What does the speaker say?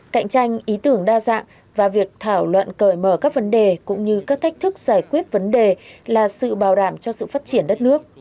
cạnh tranh ý tưởng đa dạng và việc thảo luận cởi mở các vấn đề cũng như các thách thức giải quyết vấn đề là sự bảo đảm cho sự phát triển đất nước